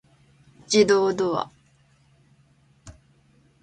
自動ドア